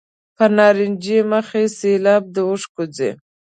پر نارنجي مخ مې سېلاب د اوښکو ځي.